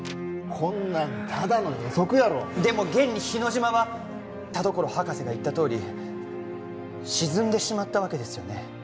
こんなんただの予測やろでも現に日之島は田所博士が言ったとおり沈んでしまったわけですよね？